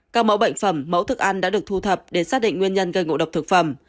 các mẫu bệnh phẩm mẫu thức ăn đã được thu thập để xác định nguyên nhân gây ngộ độc thực phẩm